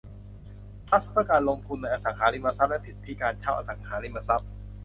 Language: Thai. ทรัสต์เพื่อการลงทุนในอสังหาริมทรัพย์และสิทธิการเช่าอสังหาริมทรัพย์